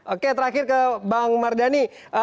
oke terakhir ke bang mardhani